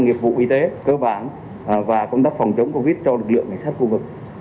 nghiệp vụ y tế cơ bản và công tác phòng chống covid cho lực lượng cảnh sát khu vực